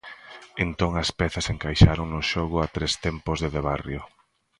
Entón as pezas encaixaron no xogo a tres tempos de De Barrio.